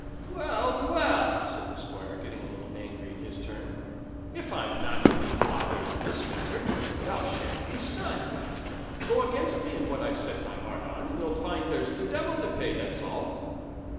"Well, well!" said the Squire, getting a little angry in his turn. "If I'm not to be father in this matter, thou sha'n't be son. Go against me in what I've set my heart on, and you'll find there's the devil to pay, that's all.